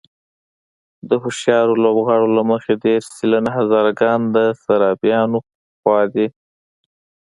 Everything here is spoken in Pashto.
د هوښیارو لوبغاړو له مخې دېرش سلنه هزاره ګان د سرابيانو خوا دي.